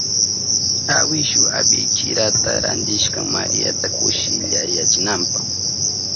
Awishu ibichirata rantishka Mariata kushillayachinanpa.